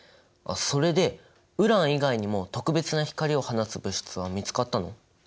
あっそれでウラン以外にも特別な光を放つ物質は見つかったの？